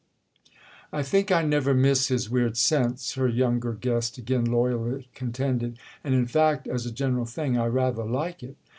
"I think I never miss his weird sense," her younger guest again loyally contended—"and in fact as a general thing I rather like it!"